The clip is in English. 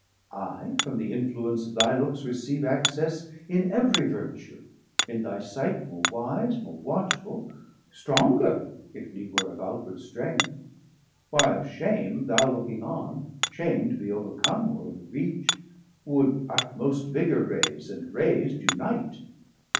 I from the influence of thy looks receave Access in every Vertue, in thy sight 310 More wise, more watchful, stronger, if need were Of outward strength; while shame, thou looking on, Shame to be overcome or over reacht Would utmost vigor raise, and rais'd unite.